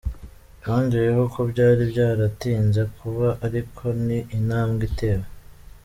Yongeyeho ko "byari byaratinze kuba, ariko ni intambwe itewe.